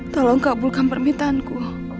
tolong kabulkan permintaanku